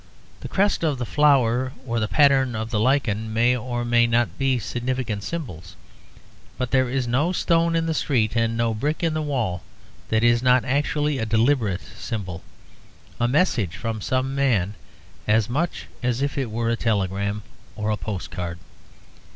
The crest of the flower or the pattern of the lichen may or may not be significant symbols. But there is no stone in the street and no brick in the wall that is not actually a deliberate symbol a message from some man, as much as if it were a telegram or a post card.